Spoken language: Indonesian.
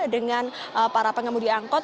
dengan para pengemudi angkut